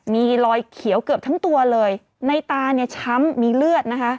มีรอยเขียวเกือบทั้งตัวเลยในตาช้ำมีเลือด